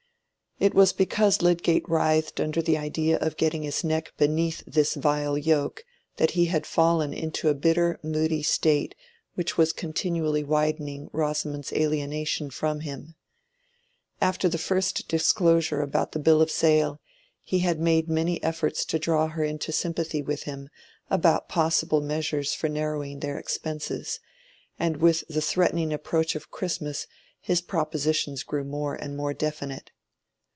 It was because Lydgate writhed under the idea of getting his neck beneath this vile yoke that he had fallen into a bitter moody state which was continually widening Rosamond's alienation from him. After the first disclosure about the bill of sale, he had made many efforts to draw her into sympathy with him about possible measures for narrowing their expenses, and with the threatening approach of Christmas his propositions grew more and more definite.